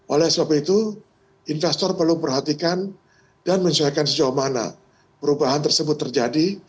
oleh sebab itu investor perlu perhatikan dan menyesuaikan sejauh mana perubahan tersebut terjadi